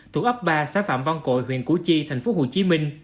thuộc ấp ba xã phạm văn cội huyện củ chi tp hcm